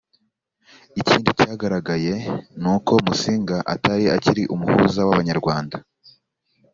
Ikindi cyagaragaye ni uko Musinga atari akiri umuhuza w'Abanyarwanda